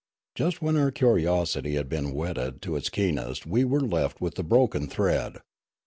Just when our curiosity had been whetted to its keenest we were left with the broken thread.